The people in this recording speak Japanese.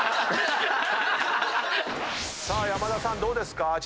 さあ山田さんどうですか？